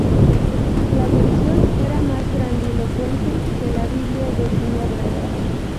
La versión era más grandilocuente que la Biblia de Ginebra.